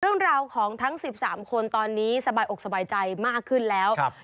เรื่องราวของทั้ง๑๓คนตอนนี้สบายอกสบายใจมากขึ้นแล้ว